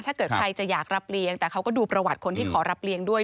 ถ้าเกิดใครจะอยากรับเลี้ยงแต่เขาก็ดูประวัติคนที่ขอรับเลี้ยงด้วย